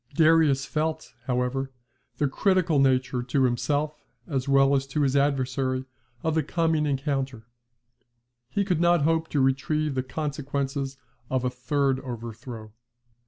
Darius felt, however, the critical nature to himself as well as to his adversary of the coming encounter. He could not hope to retrieve the consequences of a third overthrow.